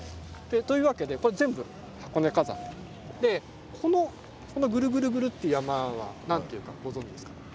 というわけでこのグルグルグルっていう山は何ていうかご存じですか？